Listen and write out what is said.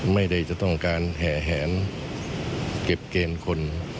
ไม่ต้องการแห่แหนเก็บเกณฑ์คน